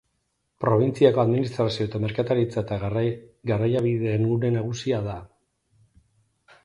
Probintziako administrazio eta merkataritza eta garraiabideen gune nagusia da.